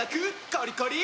コリコリ！